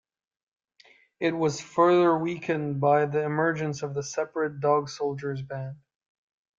It was further weakened by the emergence of the separate Dog Soldiers band.